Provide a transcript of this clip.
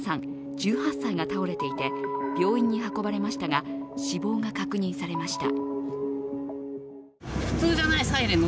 １８歳が倒れていて病院に運ばれましたが死亡が確認されました。